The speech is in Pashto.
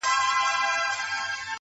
چي زه هم لکه بوډا ورته ګویا سم!!